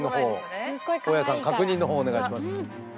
大家さん確認のほうお願いします。